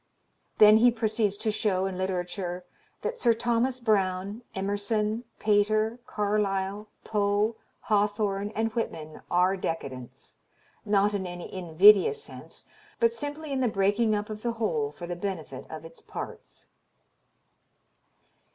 Then he proceeds to show in literature that Sir Thomas Browne, Emerson, Pater, Carlyle, Poe, Hawthorne and Whitman are decadents not in any invidious sense but simply in "the breaking up of the whole for the benefit of its parts."